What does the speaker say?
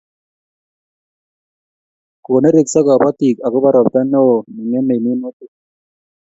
Ko nerekso kabotik akobo ropta neo ne ngemei minutik